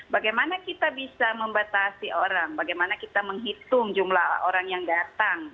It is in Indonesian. bagaimana kita bisa membatasi orang bagaimana kita menghitung jumlah orang yang datang